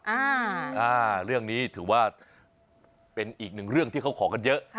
อ่าเรื่องนี้ถือว่าเป็นอีกหนึ่งเรื่องที่เขาขอกันเยอะ